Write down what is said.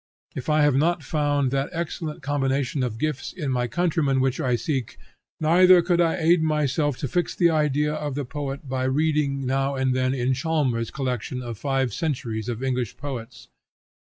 If I have not found that excellent combination of gifts in my countrymen which I seek, neither could I aid myself to fix the idea of the poet by reading now and then in Chalmers's collection of five centuries of English poets.